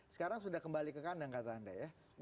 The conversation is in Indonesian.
sekarang sudah kembali ke kandang kata anda ya